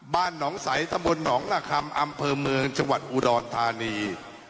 บ้านหนองสัยทะบลหนองหน้าคำอำเภอเมืองจอุดรฐานี